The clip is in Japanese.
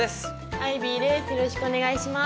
アイビーです。